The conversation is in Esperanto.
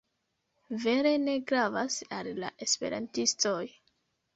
Vere ne gravas al la Esperantistoj.